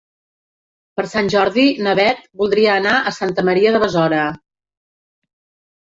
Per Sant Jordi na Beth voldria anar a Santa Maria de Besora.